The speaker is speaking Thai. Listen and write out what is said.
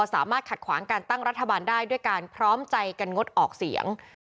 สามารถขัดขวางการตั้งรัฐบาลได้ด้วยการพร้อมใจกันงดออกเสียง